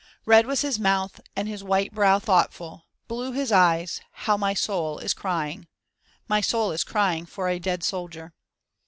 Red was his mouth and his white brow thoughtful, Blue his eyes — ^how my soul is crying. My soul is crying for a dead soldier.